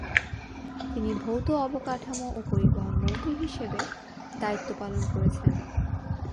তিনি ভৌত অবকাঠামো ও পরিবহন মন্ত্রী হিসেবেও দায়িত্ব পালন করেছেন।